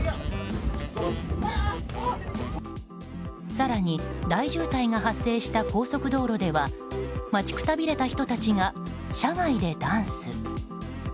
更に、大渋滞が発生した高速道路では待ちくたびれた人たちが車外でダンス。